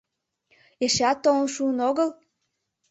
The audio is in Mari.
— Эшеат толын шуын огыл?